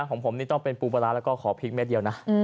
ของผมนี่ต้องเป็นปูปลาร้าแล้วก็ขอพริกเม็ดเดียวนะ